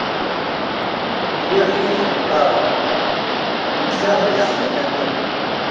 Lliɣ yid-m qqareɣ, nemseɣ di sin tannumi.